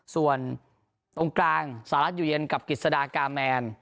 ส่วนตรงกลางสหรัฐอยู่เย็นกับกิจสดากาแมน